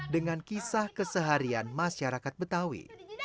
dengan kisah keseharian masyarakat betawi